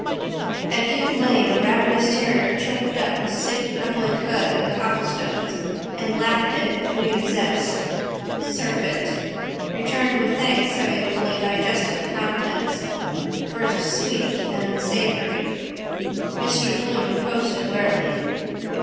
At Duke lane a ravenous terrier choked up a sick knuckly cud on the cobblestones and lapped it with new zest. Surfeit. Returned with thanks having fully digested the contents. First sweet then savoury. Mr Bloom coasted warily.